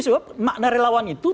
sebab makna relawan itu